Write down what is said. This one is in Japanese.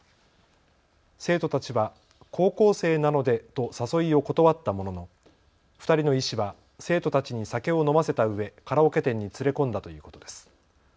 生徒たちは高校生なのでと誘いを断ったものの２人の医師は生徒たちに酒を飲ませたうえ、カラオケ店に連れ込んだということです。